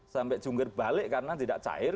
sampai jungkir balik karena tidak cair